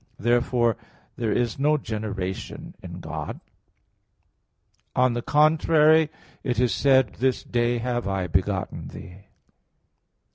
Therefore there is no generation in God. On the contrary, It is said (Ps. 2:7): "This day have I begotten Thee."